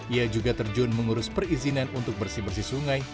ia juga terjun mengurus perizinan untuk bersih bersih sungai